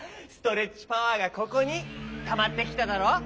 ストレッチパワーがここにたまってきただろ！